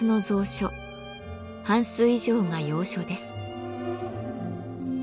半数以上が洋書です。